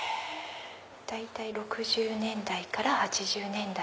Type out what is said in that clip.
大体６０年代から８０年代。